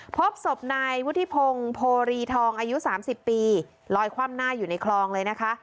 พบศพนายวุฒิพงศ์โพรีทองอายุ๓๐ปีลอยคว่ำหน้าอยู่ในคลองเลยนะคะ